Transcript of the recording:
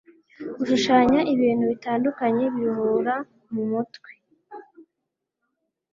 gushushanya ibintu bitandukanye biruhura mu umutwe